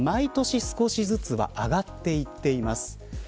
毎年少しずつは上がっていっています。